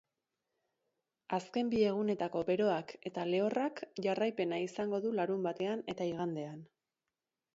Azken bi egunetako beroak eta lehorrak jarraipena izango du larunbatean eta igandean.